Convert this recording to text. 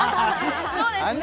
そうですね